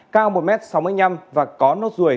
cao một m sáu mươi năm và có nốt ruồi